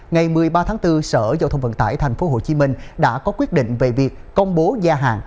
ngày một mươi ba tháng bốn sở giao thông vận tải tp hcm đã có quyết định về việc công bố gia hạn